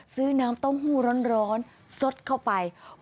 ซื้อน้ำเต้าหู้ร้อนสดเข้าไป